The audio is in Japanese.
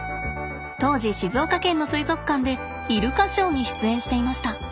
当時静岡県の水族館でイルカショーに出演していました。